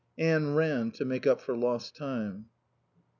Anne ran, to make up for lost time.